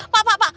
pak pak pak